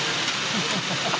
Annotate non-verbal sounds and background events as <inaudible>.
ハハハ <laughs>